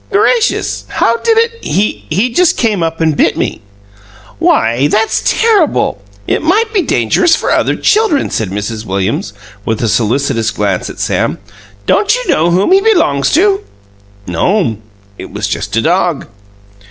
"Gracious! How did it " "He he just came up and bit me." "Why, that's terrible! It might be dangerous for other children," said Mrs. Williams, with a solicitous glance at Sam. "Don't you know whom he belongs to?" "No'm. It was just a dog."